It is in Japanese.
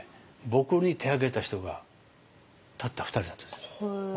僕に手を挙げた人がたった２人だったんです。